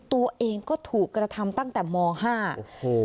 ตัวเองก็ถูกกระทำตั้งแต่มห้าโอ้โห